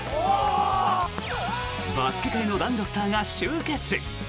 バスケ界の男女スターが集結！